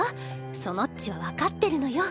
そのっちは分かってるのよ。